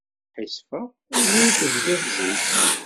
Sḥissifeɣ imi ur tebdiḍ zik.